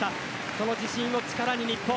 その自信を力に日本。